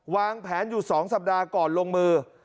วางแผนอยู่๒สัปดาห์ก่อนลงมือ